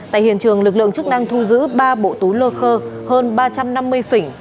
tại hiện trường lực lượng chức năng thu giữ ba bộ túi lô khơ hơn ba trăm năm mươi phỉnh